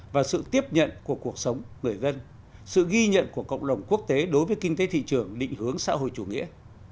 và sự tiếp nhận của cuộc sống người dân sự ghi nhận của cộng đồng quốc tế đối với kinh tế thị trường định hướng xã hội chủ nghĩa